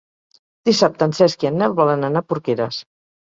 Dissabte en Cesc i en Nel volen anar a Porqueres.